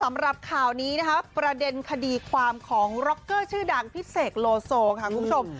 สำหรับข่าวนี้นะคะประเด็นคดีความของร็อกเกอร์ชื่อดังพี่เสกโลโซค่ะคุณผู้ชม